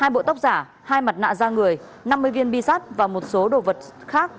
hai bộ tóc giả hai mặt nạ da người năm mươi viên bi sắt và một số đồ vật khác